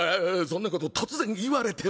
そんなこと突然言われても。